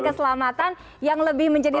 keselamatan yang lebih menjadi